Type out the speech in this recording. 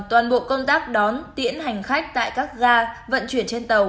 toàn bộ công tác đón tiễn hành khách tại các ga vận chuyển trên tàu